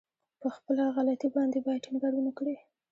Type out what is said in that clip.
په خپله غلطي باندې بايد ټينګار ونه کړي.